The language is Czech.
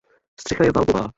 Střecha je valbová.